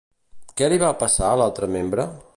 Què li va passar a l'altre membre?